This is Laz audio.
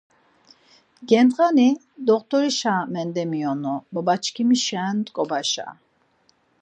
Gendğani doxtorişa mendemionu, babaçkimişen t̆ǩobaşa.